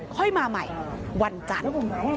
ค่อยมาใหม่วันจันทร์